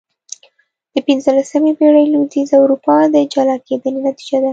د پنځلسمې پېړۍ لوېدیځه اروپا د جلا کېدنې نتیجه ده.